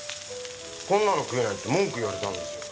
こんなの食えないって文句言われたんですよ。